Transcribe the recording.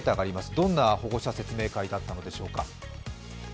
どんな保護者説明会だったのでしょうか。